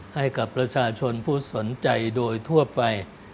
ให้กับประชาชนผู้สนใจโดยทั่วไป